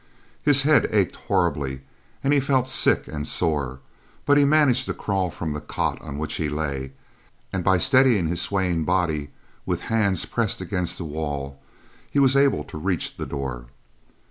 His head ached horribly, and he felt sick and sore; but he managed to crawl from the cot on which he lay, and by steadying his swaying body with hands pressed against the wall, he was able to reach the door.